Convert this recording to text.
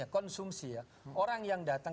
konsumsi orang yang datang